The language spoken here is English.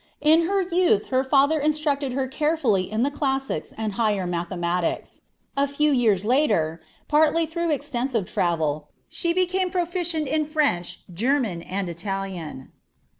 In her youth her father instructed her carefully in the classics and higher mathematics; a few years later, partly through extensive travel, she became proficient in French, German, and Italian.